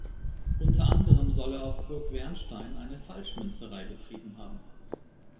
Unter anderem soll er auf Burg Wernstein eine Falschmünzerei betrieben haben.